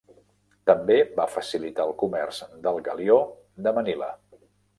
També va facilitar el comerç del galió de Manila.